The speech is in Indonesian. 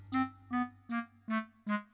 tidak ini sih